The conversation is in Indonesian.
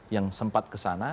yang sempat kesana